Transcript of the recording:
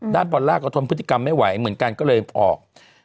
บอลลาร์ก็ทนพฤติกรรมไม่ไหวเหมือนกันก็เลยออก